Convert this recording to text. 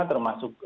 termasuk tim kpk